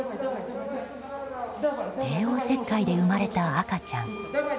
帝王切開で生まれた赤ちゃん。